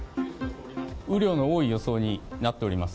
雨量の多い予想になっております。